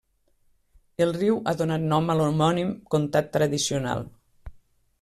El riu ha donat nom a l'homònim comtat tradicional.